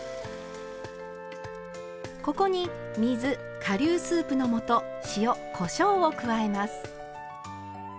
ここに水顆粒スープの素塩こしょうを加えます。